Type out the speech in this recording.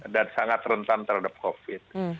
dan sangat rentan terhadap covid